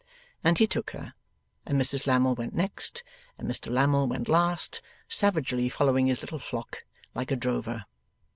And he took her, and Mrs Lammle went next, and Mr Lammle went last, savagely following his little flock, like a drover.